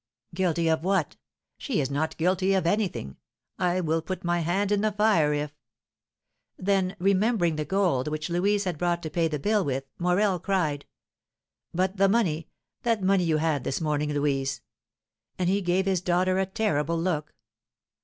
"Guilty of what? She is not guilty of anything. I will put my hand in the fire if " Then, remembering the gold which Louise had brought to pay the bill with, Morel cried, "But the money that money you had this morning, Louise!" And he gave his daughter a terrible look.